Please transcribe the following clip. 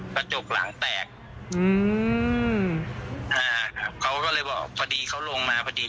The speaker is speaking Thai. พอดีเขา